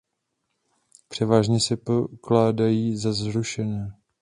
Převážně se pokládají za zaručené.